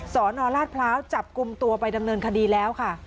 สนราชพร้าวจับกลุ่มตัวไปดำเนินคดีแล้วค่ะ